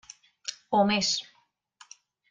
O més.